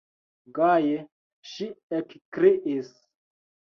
Gaje ŝi ekkriis: